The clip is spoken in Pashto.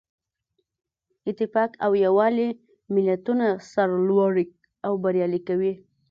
اتفاق او یووالی ملتونه سرلوړي او بریالي کوي.